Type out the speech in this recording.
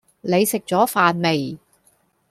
你食咗飯未